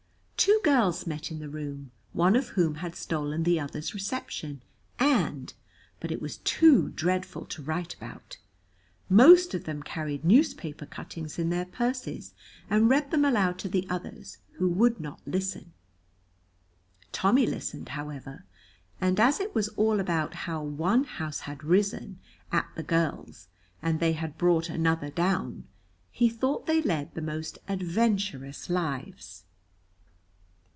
Two girls met in the room, one of whom had stolen the other's reception, and but it was too dreadful to write about. Most of them carried newspaper cuttings in their purses and read them aloud to the others, who would not listen. Tommy listened, however, and as it was all about how one house had risen at the girls and they had brought another down, he thought they led the most adventurous lives.